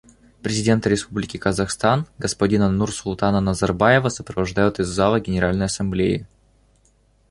Президента Республики Казахстан господина Нурсултана Назарбаева сопровождают из зала Генеральной Ассамблеи.